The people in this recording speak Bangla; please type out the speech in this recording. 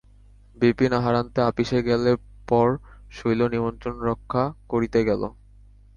বিপিন-আহারান্তে আপিসে গেলে পর শৈল নিমন্ত্রণরক্ষা করিতে গেল।